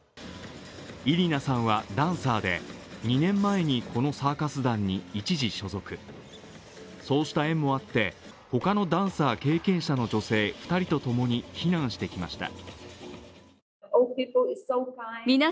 イリナさんはダンサーで２年前にこのサーカス団に一時所属そうした縁もあって他のダンサー経験者の女性２人とともに避難してきました。